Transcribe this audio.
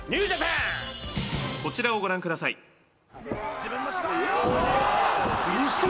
「こちらをご覧ください」うわー！